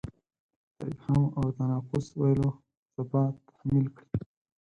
د ابهام او تناقض ویلو څپه تحمیل کړې.